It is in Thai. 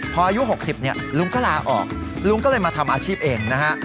พออายุ๖๐เนี่ยลุงก็ลาออกลุงก็เลยมาทำอาชีพเองนะฮะ